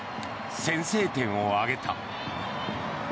先制点を挙げた。